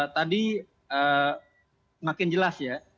tadi makin jelas ya